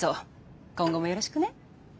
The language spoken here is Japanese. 今後もよろしくね。